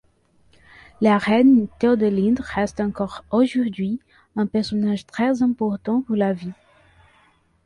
La reine Théodelinde reste encore aujourd’hui un personnage très important pour la ville.